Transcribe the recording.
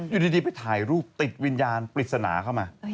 อยู่ดีไปถ่ายรูปติดวิญญาณปริศนาเข้ามา